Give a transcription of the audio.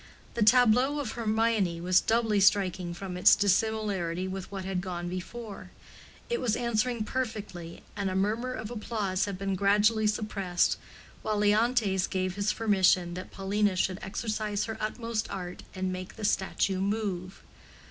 The tableau of Hermione was doubly striking from its dissimilarity with what had gone before: it was answering perfectly, and a murmur of applause had been gradually suppressed while Leontes gave his permission that Paulina should exercise her utmost art and make the statue move.